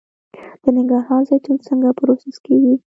د ننګرهار زیتون څنګه پروسس کیږي؟